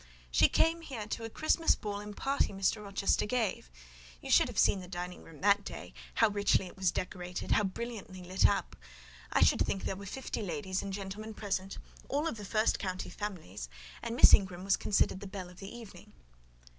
She came here to a Christmas ball and party Mr. Rochester gave. You should have seen the dining room that day—how richly it was decorated, how brilliantly lit up! I should think there were fifty ladies and gentlemen present—all of the first county families; and Miss Ingram was considered the belle of the evening."